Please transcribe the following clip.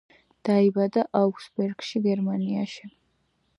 დაიბადა აუგსბურგში, გერმანიაში.